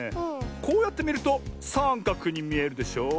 こうやってみるとさんかくにみえるでしょう。